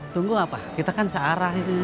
tunggu apa kita kan searah ini